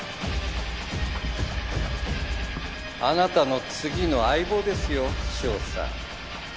あなたの次の相棒ですよ翔さん